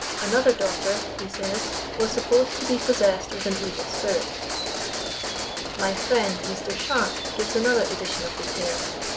Another daughter," he says, "was supposed to be possessed with an evil spirit." My friend, Mr. Sharpe, gives another edition of the tale.